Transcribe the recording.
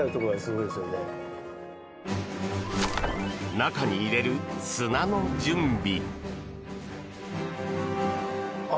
中に入れる砂の準備。